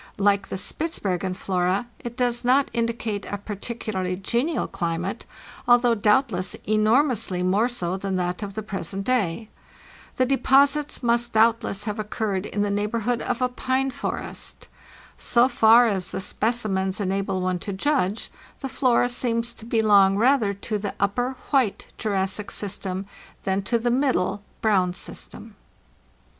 Like the Spitzbergen flora, it does not genial climate, although doubtless indicate a particularly enormously more so than that of the present day. The deposits must doubtless have occurred in the neighbor hood of a pine forest. So far as the specimens enable one to judge, the flora seems to belong rather to the Upper (White) Jurassic system than to the Middle (Brown) system."